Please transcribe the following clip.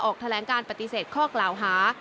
แถลงการปฏิเสธข้อกล่าวหา